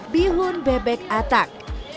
bihun bebek atak